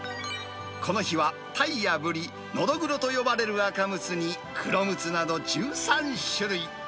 この日はタイやブリ、ノドグロと呼ばれるアカムツに、クロムツなど１３種類。